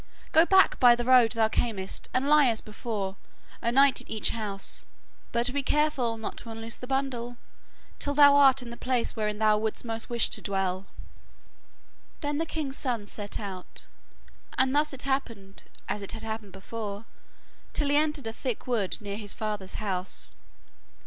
Go back by the road thou camest, and lie as before, a night in each house, but be careful not to unloose the bundle till thou art in the place wherein thou wouldst most wish to dwell.' Then the king's son set out, and thus it happened as it had happened before, till he entered a thick wood near his father's house.